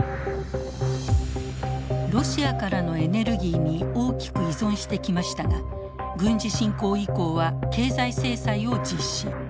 ロシアからのエネルギーに大きく依存してきましたが軍事侵攻以降は経済制裁を実施。